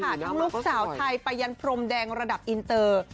ทั้งลูกสาวไทยไปยันพรมแดงระดับอินเตอร์